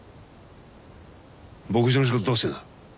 牧場の仕事どうしてるんだ？